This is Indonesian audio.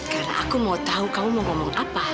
karena aku mau tahu kamu mau ngomong apa